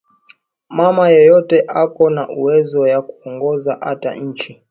Mama yeyote eko na uwezo ya ku ongoza ata inchi